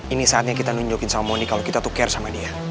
ini saatnya kita nunjukin sama moni kalau kita tuh care sama dia